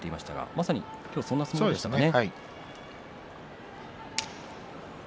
まさに今日はそんな相撲でしたね。